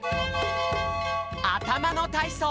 あたまのたいそう！